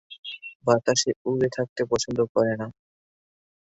বাতাসে উড়ে থাকতে পছন্দ করে না।